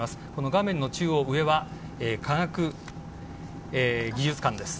画面の中央上は科学技術館です。